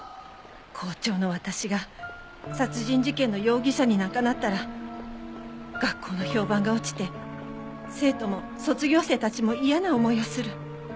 校長の私が殺人事件の容疑者になんかなったら学校の評判が落ちて生徒も卒業生たちも嫌な思いをする。